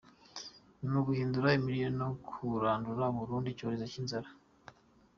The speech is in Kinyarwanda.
mu guhindura imirire no kurandura burundu icyorezo cy’inzara.